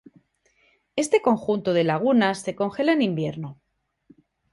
Este conjunto de lagunas se congela en invierno.